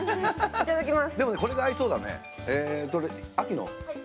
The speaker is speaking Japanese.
いただきます。